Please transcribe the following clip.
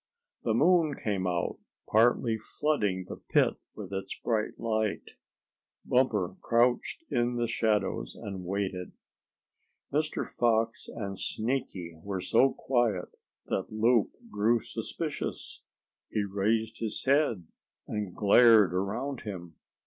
The moon came out, partly flooding the pit with its bright light. Bumper crouched in the shadows and waited. Mr. Fox and Sneaky were so quiet that Loup grew suspicious. He raised his head and glared around him.